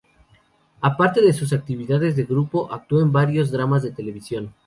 Aparte de sus actividades de grupo, actuó en varios dramas de televisión.